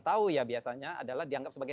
tahu ya biasanya adalah dianggap sebagai